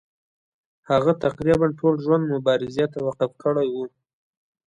هغه تقریبا ټول ژوند مبارزې ته وقف کړی وو.